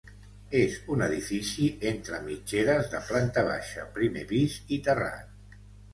És un edifici entre mitgeres de planta baixa, primer pis i terrat.